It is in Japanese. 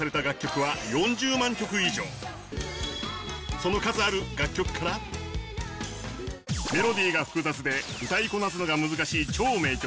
その間にメロディーが複雑で歌いこなすのが難しい超名曲